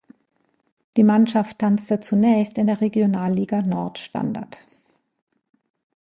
Die Mannschaft tanzte zunächst in der Regionalliga Nord Standard.